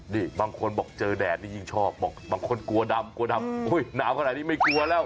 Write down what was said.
นี่บางคนบอกเจอแดดนี่ยิ่งชอบบอกบางคนกลัวดำกลัวดำหนาวขนาดนี้ไม่กลัวแล้ว